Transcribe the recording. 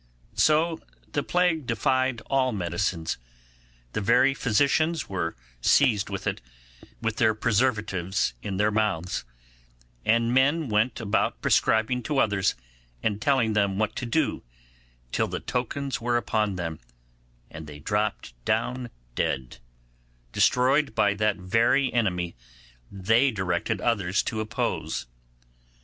So the Plague defied all medicines; the very physicians were seized with it, with their preservatives in their mouths; and men went about prescribing to others and telling them what to do till the tokens were upon them, and they dropped down dead, destroyed by that very enemy they directed others to oppose.